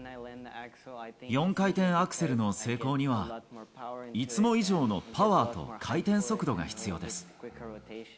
４回転アクセルの成功には、いつも以上のパワーと回転速度が必要です。